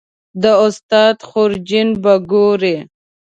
د استاد خورجین به ګورې